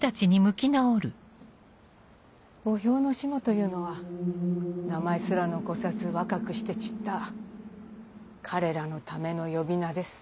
「墓標の島」というのは名前すら残さず若くして散った彼らのための呼び名です。